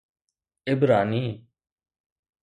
عبراني